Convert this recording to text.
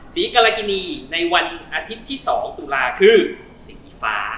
กรกินีในวันอาทิตย์ที่๒ตุลาคือสีฟ้า